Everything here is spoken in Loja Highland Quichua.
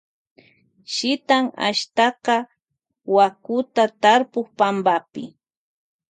Shitan ashtaka wakuta tarpuk pampapi.